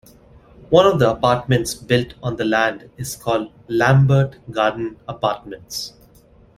One of the apartments built on the land is called Lambert Gardens Apartments.